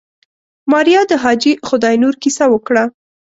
ماريا د حاجي خداينور کيسه وکړه.